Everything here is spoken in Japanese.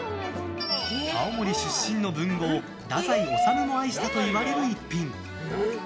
青森出身の文豪・太宰治も愛したといわれる一品。